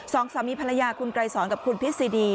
สองสามีภรรยาคุณไกรสอนกับคุณพิษซีดี